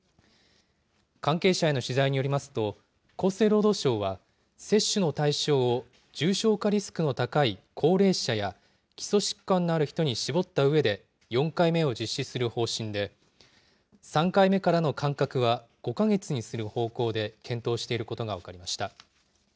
関係者への取材によりますと、厚生労働省は接種の対象を重症化リスクの高い高齢者や、基礎疾患のある人に絞ったうえで４回目を実施する方針で、３回目からの間隔は５か月にする方向で検討していることが分かりました。